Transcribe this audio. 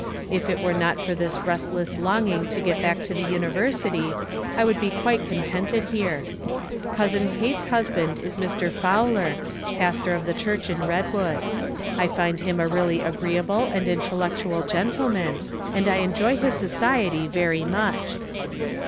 If it were not for this restless longing to get back to the University I could be quite contented here. Cousin Kate's husband is Mr. Fowler, pastor of the church in Redwood. I find him a very agree able and intellectual gentleman, and I enjoy his society very much.